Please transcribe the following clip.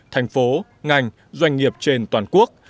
thành phố ngành doanh nghiệp trên toàn quốc